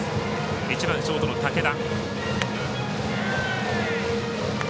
１番ショートの武田。